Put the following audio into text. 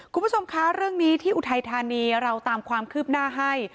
คุณผู้ชมคะเรื่องนี้ที่อุทัยธานีเราตามความคืบหน้าให้